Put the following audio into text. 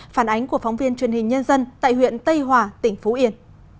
phản ánh của phóng viên truyền hình nhân dân tại huyện tây hòa tỉnh phú yên